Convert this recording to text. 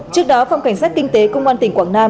trước đó phòng cảnh sát kinh tế công an tỉnh quảng nam